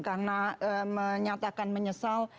karena menyatakan menyesal